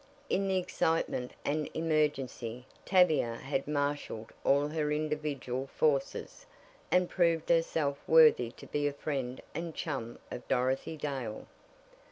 In the excitement and emergency Tavia had marshaled all her individual forces, and proved herself worthy to be a friend and chum of Dorothy Dale.